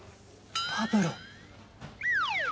パブロ。